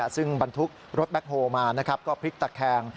ซึ่งบรรทุกรถแบ็คโฮมาก็พลิกตะแคง